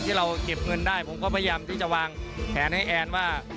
ที่เราเก็บเงินได้ผมก็พยายามที่จะวางแผนให้แอนว่า